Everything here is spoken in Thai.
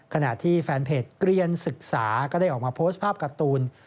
ขณะที่แฟนเพจเรียนศึกษาก็ได้ออกมาโพสต์ภาพการ์ตูน